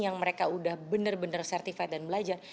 yang mereka udah benar benar certified dan belajar